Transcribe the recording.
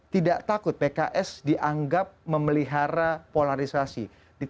tidak takut pks dianggap memelihara polarisasi